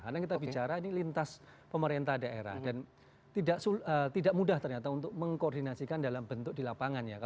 karena kita bicara ini lintas pemerintah daerah dan tidak mudah ternyata untuk mengkoordinasikan dalam bentuk di lapangannya